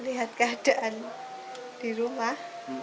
lihat keadaan di rumah